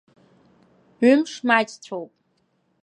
Ҩымш маҷцәоуп.